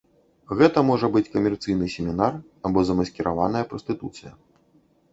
Гэта можа быць камерцыйны семінар або замаскіраваная прастытуцыя.